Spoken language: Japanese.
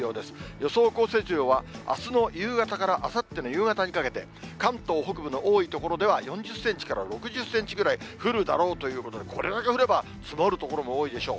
予想降雪量は、あすの夕方からあさっての夕方にかけて、関東北部の多い所では、４０センチから６０センチぐらい降るだろうということで、これだけ降れば、積もる所も多いでしょう。